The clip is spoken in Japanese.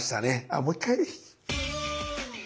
あもう一回。